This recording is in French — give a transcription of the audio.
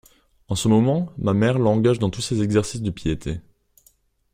En ce moment, ma mère l'engage dans tous ses exercices de piété.